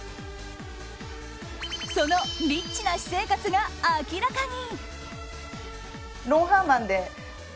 そのリッチな私生活が明らかに。